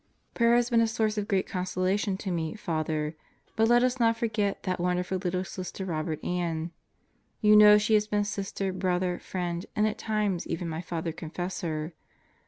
... Prayer has been a source of great consolation to me, Father. But let us not forget that wonderful little Sister Robert Ann. You know she has been sister, brother, friend, and at times even my Father Confessor!